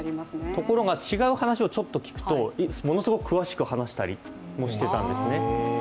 ところが違う話をちょっと聞くとものすごく詳しく話したりしてたんですね。